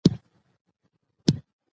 که بیرغ رپاند وي نو سر نه ټیټیږي.